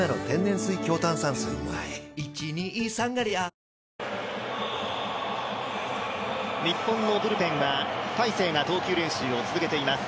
三菱電機日本のブルペンは大勢が投球練習を続けています。